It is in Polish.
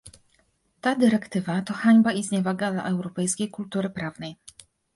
Ta dyrektywa to hańba i zniewaga dla europejskiej kultury prawnej